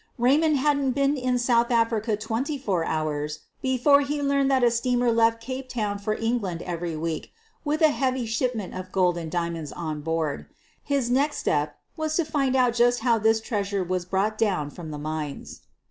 Raymond hadn't been in South Africa twenty four hours before he learned that a steamer left Cape Town foi* England every week with a heavy shipment of gold and diamonds on board. His next step was to find out just how this treasure was brought down from the mines.